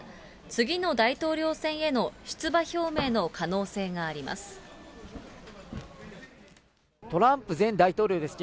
次の大統領選への出馬表明の可能性があります。